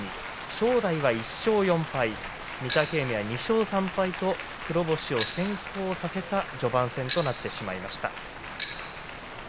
正代は１勝４敗御嶽海は２勝３敗と黒星を先行させた序盤戦となってしまいました。